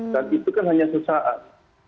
dan itu kan hanya sesaat